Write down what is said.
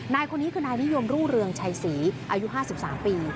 นายคนนี้คือนายนิยมรุ่งเรืองชัยศรีอายุ๕๓ปี